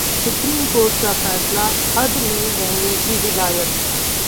supreme court का फैसलाः हद में रहने की हिदायत